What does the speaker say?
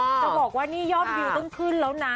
จะบอกว่านี่ยอดวิวต้องขึ้นแล้วนะ